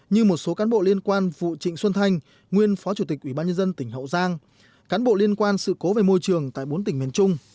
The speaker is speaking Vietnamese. như một số cán bộ liên quan vụ trịnh xuân thanh nguyên phó chủ tịch ủy ban nhân dân tỉnh hậu giang cán bộ liên quan sự cố về môi trường tại bốn tỉnh miền trung